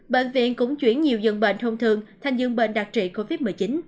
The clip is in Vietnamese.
bệnh viện cũng chuyển nhiều dường bệnh thông thường thành dường bệnh đặc trị covid một mươi chín